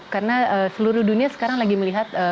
karena seluruh dunia sekarang lagi melihat